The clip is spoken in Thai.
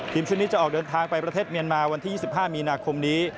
ชนิดจะออกเดินทางไปประเทศเมียนมาวันที่๒๕มีนาคมนี้